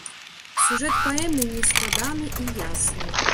Сюжэт паэмы нескладаны і ясны.